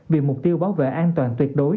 vì mục tiêu bảo vệ an toàn tuyệt đối